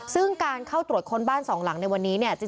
ซึ่งการเข้าตรวจค้นบ้านสองหลังในวันนี้เนี่ย